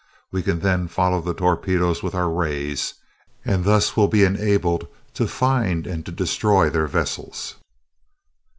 We can then follow the torpedoes with our rays, and thus will be enabled to find and to destroy their vessels."